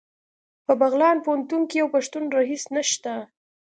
په بغلان پوهنتون کې یو پښتون رییس نشته